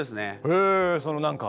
へえその何か。